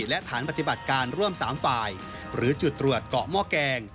และฐานปฏิบัติการร่วม๓ฝ่ายหรือจุดตรวจเกาะหม้อแกง